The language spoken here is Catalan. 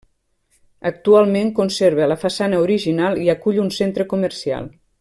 Actualment conserva la façana original i acull un centre comercial.